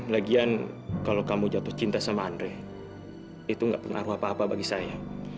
lagian kalau kamu jatuh cinta sama andre itu gak pengaruh apa apa bagi saya